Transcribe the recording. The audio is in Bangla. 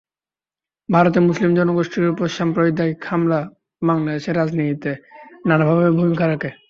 ভারতে মুসলিম জনগোষ্ঠীর ওপর সাম্প্রদায়িক হামলা বাংলাদেশের রাজনীতিতে নানাভাবে ভূমিকা রাখে।